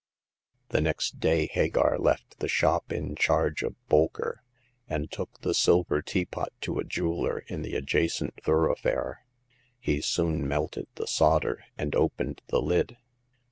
The next day Hagar left the shop in charge of Bolker, and took the silver teapot to a jeweler in the adjacent thoroughfare. He soon melted the solder, and opened the lid.